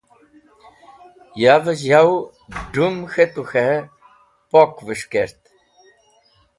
Yavẽ z̃hw dũm k̃hetu k̃hẽ pokvẽs̃h kert.